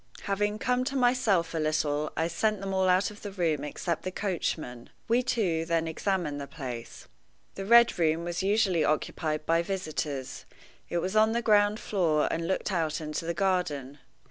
Having come to myself a little, I sent them all out of the room except the coachman. We two then examined the place. The Red Room was usually occupied by visitors. It was on the ground floor, and looked out into the garden.